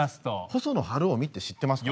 細野晴臣って知ってますか？